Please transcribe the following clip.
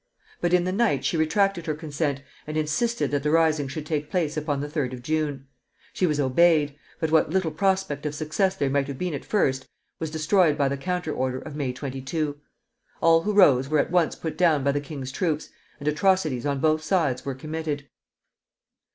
But in the night she retracted her consent, and insisted that the rising should take place upon the 3d of June. She was obeyed; but what little prospect of success there might have been at first, was destroyed by the counter order of May 22. All who rose were at once put down by the king's troops, and atrocities on both sides were committed.